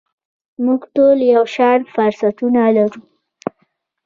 موږ ټول یو شان فرصتونه لرو .